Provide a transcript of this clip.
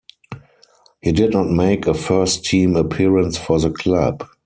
He did not make a first team appearance for the club.